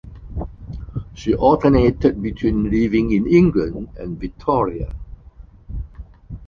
She alternated between living in England and Victoria.